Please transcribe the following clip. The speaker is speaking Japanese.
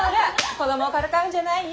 子供をからかうんじゃないよ！